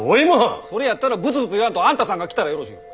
それやったらブツブツ言わんとあんたさんが来たらよろし。